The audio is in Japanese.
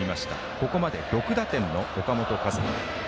ここまで６打点の岡本和真。